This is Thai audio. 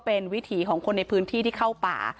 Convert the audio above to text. เพราะพ่อเชื่อกับจ้างหักขาวโพด